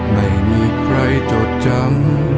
ไม่มีใครจดจำ